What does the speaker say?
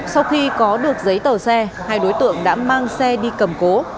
sau khi có được giấy tờ xe hai đối tượng đã mang xe đi cầm cố